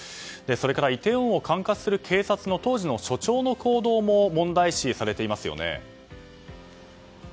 それからイテウォンを管轄する警察の当時の署長の行動も問題視されていますよね。